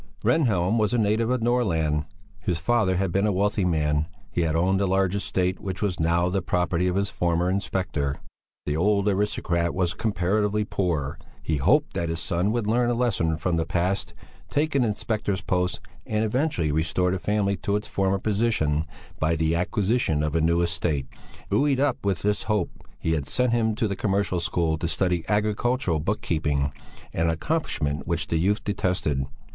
Rehnhjelm was a native of Norrland. His father had been a wealthy man; he had owned a large estate which was now the property of his former inspector. The old aristocrat was comparatively poor; he hoped that his son would learn a lesson from the past, take an inspector's post and eventually restore the family to its former position by the acquisition of a new estate. Buoyed up with this hope, he had sent him to the Commercial School to study agricultural book keeping, an accomplishment which the youth detested.